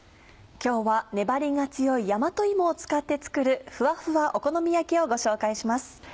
今日は粘りが強い大和芋を使って作る「ふわふわお好み焼き」をご紹介します。